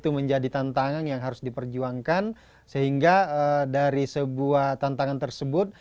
itu menjadi tantangan yang harus diperjuangkan sehingga dari sebuah tantangan tersebut